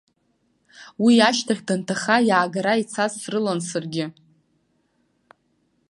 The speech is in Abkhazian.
Уи ашьха данҭаха, иаагара ицаз срылан саргьы.